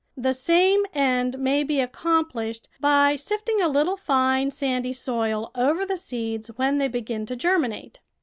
The same end may be accomplished by sifting a little fine sandy soil over the seeds when they begin to germinate.